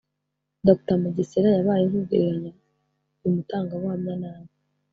Dr Mugesera yabaye nk’ugereranya uyu mutangabuhamya n’abe